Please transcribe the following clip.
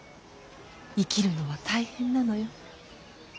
生きるのは大変なのよ。